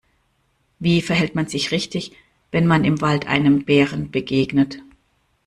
Wie verhält man sich richtig, wenn man im Wald einem Bären begegnet?